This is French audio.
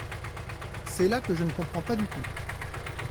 C’est là que je ne comprends pas du tout.